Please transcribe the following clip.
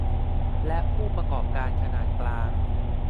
และผู้ประกอบการขนาดกลาง